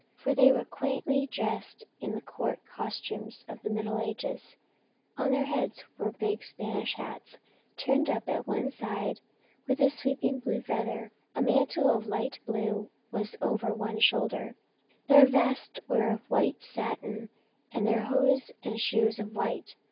They were quaintly dressed in the court costumes of the Middle Ages ; on their rfcads were big Spanish hats, turned up at one side with a sweeping blue feather, a mantle of light blue was over one shoulder, 72 Our Little Spanish Cousin their vests were of white satin, their hose and shoes of white.